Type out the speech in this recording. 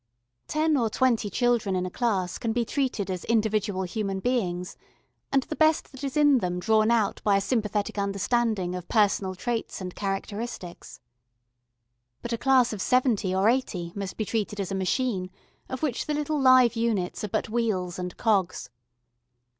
Ten or twenty children in a class can be treated as individual human beings, and the best that is in them drawn out by a sympathetic understanding of personal traits and characteristics. But a class of seventy or eighty must be treated as a machine of which the little live units are but wheels and cogs.